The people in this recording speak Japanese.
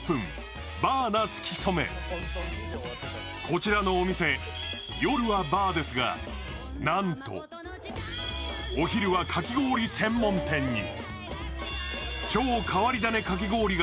こちらのお店、夜はバーですがなんと、お昼はかき氷専門店に。